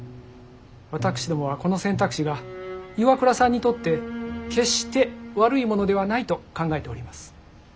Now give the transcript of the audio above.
私どもはこの選択肢が岩倉さんにとって決して悪いものではないと考えております。